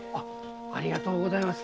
ありがとうございます。